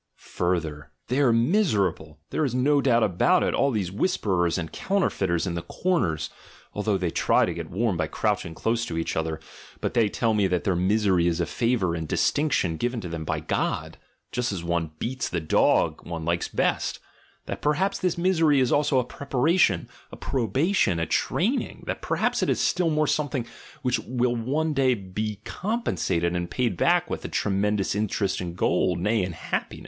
Further! "They are miserable, there is no doubt about it, all "GOOD AND EVIL," "GOOD AND BAD" 31 these whisperers and counterfeiters in the corners, al though they try to get warm by crouching close to each other, but they tell me that their misery is a favour and distinction given to them by God, just as one beats the dogs one likes best; that perhaps this misery is also a preparation, a probation, a training; that perhaps it is still more something which will one day be compensated and paid back with a tremendous interest in gold, nay in happiness.